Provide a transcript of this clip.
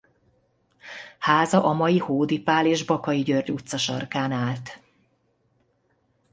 Háza a mai Hódi Pál és Bakay György utca sarkán állt.